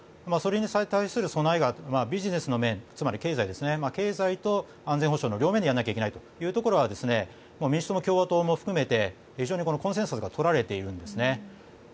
それに対する備えがビジネスの面つまり経済と安全保障の両面でやらなければいけないというところは民主党や共和党も含めて非常にコンセンサスが取られているんですね。